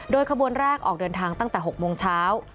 ขบวนแรกออกเดินทางตั้งแต่๖โมงเช้า